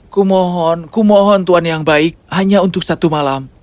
kumohon kumohon tuhan yang baik hanya untuk satu malam